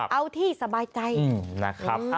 เอาที่สบายใจนะครับ